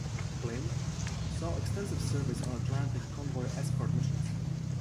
"Plym" saw extensive service on Atlantic convoy escort missions.